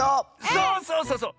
そうそうそうそう！